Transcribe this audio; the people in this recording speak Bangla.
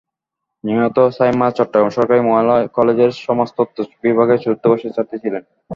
নিহত সায়মা চট্টগ্রাম সরকারি মহিলা কলেজের সমাজতত্ত্ব বিভাগের চতুর্থ বর্ষের ছাত্রী ছিলেন।